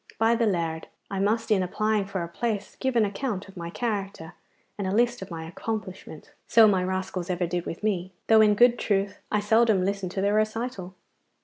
By the Lard! I must, in applying for a place, give an account of my character and a list of my accomplishments. So my rascals ever did with me, though in good truth I seldom listened to their recital.